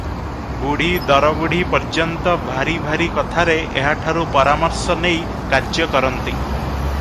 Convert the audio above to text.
ବୁଢ଼ୀ ଦରବୁଢ଼ୀ, ପର୍ଯ୍ୟନ୍ତ ଭାରି ଭାରି କଥାରେ ଏହାଠାରୁ ପରାମର୍ଶ ନେଇ କାର୍ଯ୍ୟ କରନ୍ତି ।